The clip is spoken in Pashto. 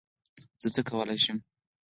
زه څه کولی شم؟